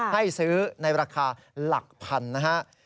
ให้ซื้อในราคาหลักพันนะฮะ